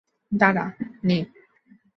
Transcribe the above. দাঁড়া, নে।